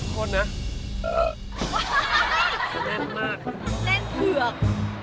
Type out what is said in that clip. โคตรเหรอแน่นมากแน่นเผือก